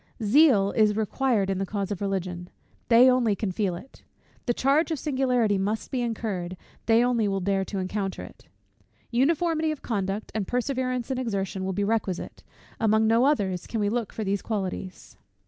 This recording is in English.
Zeal is required in the cause of Religion; they only can feel it. The charge of singularity must be incurred; they only will dare to encounter it. Uniformity of conduct, and perseverance in exertion, will be requisite; among no others can we look for those qualities.